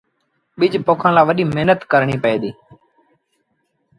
ٻج پوکڻ لآ وڏيٚ مهنت ڪرڻيٚ پئي ديٚ